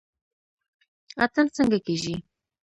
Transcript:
اتن څنګه کیږي؟